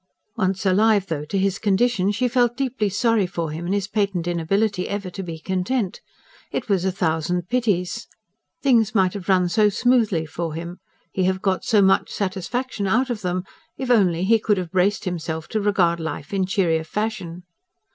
Once alive though to his condition, she felt deeply sorry for him in his patent inability ever to be content. It was a thousand pities. Things might have run so smoothly for him, he have got so much satisfaction out of them, if only he could have braced himself to regard life in cheerier fashion.